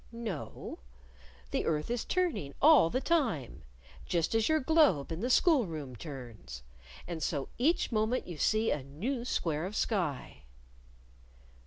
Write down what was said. "No. The earth is turning all the time just as your globe in the school room turns. And so each moment you see a new square of sky."